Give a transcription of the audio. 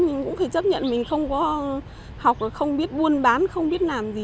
nhưng cũng phải chấp nhận mình không có học không biết buôn bán không biết làm gì